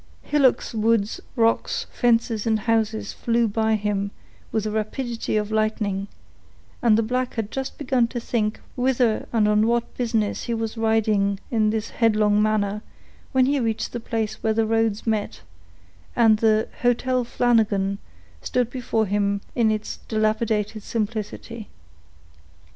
Hillocks, woods, rocks, fences, and houses flew by him with the rapidity of lightning, and the black had just begun to think whither and on what business he was riding in this headlong manner, when he reached the place where the roads met, and the "Hotel Flanagan" stood before him in its dilapidated simplicity.